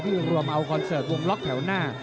รวมเอาคอนเสิร์ตวงล็อกแถวหน้า